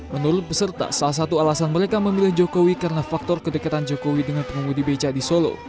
menurut peserta salah satu alasan mereka memilih jokowi karena faktor kedekatan jokowi dengan pengumudi beca di solo